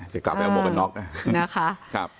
จะกลับเอาโมกน็อคนะ